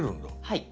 はい。